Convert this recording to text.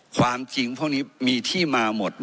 ความจริงพวกนี้มีที่มาหมด